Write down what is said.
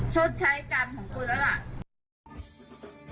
ชดใช้จำของคุณแล้วก็